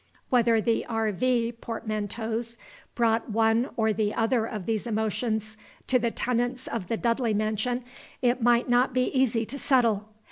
Whether the R. V. portmanteaus brought one or the other of these emotions to the tenants of the Dudley mansion, it might not be easy to settle.